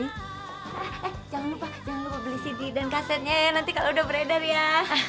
hahaha jangan lupa jangan lupa beli cd dan kasetnya ya nanti kalau udah beredar ya